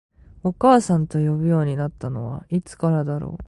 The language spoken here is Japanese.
お母さんと呼ぶようになったのはいつからだろう？